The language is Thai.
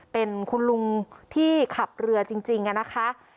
เป็นคุณลุงที่ขับเรือจริงนะคะ